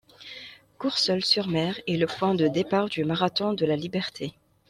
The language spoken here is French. Courseulles-sur-Mer est le point de départ du marathon de la Liberté.